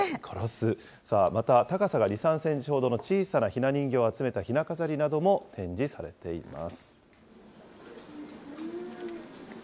また、高さが２、３センチほどの小さなひな人形を集めたひな飾りなども展示されています。